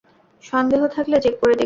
সন্দেহ থাকলে, চেক করে দেখুন।